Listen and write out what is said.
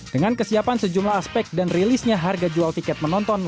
dengan kesiapan sejumlah aspek dan rilisnya harga jual tiket menonton